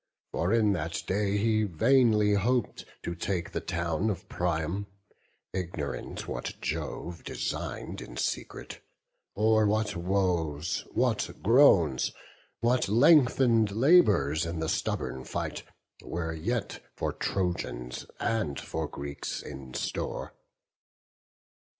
For in that day he vainly hop'd to take The town of Priam; ignorant what Jove Design'd in secret, or what woes, what groans, What lengthen'd labours in the stubborn fight, Were yet for Trojans and for Greeks in store.